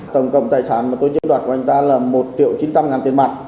tổng cộng tài sản mà tôi chiếm đoạt của anh ta là một triệu chín trăm linh ngàn tiền mặt